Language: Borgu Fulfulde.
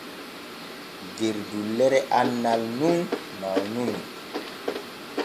Der dullere annal nun mawnumi.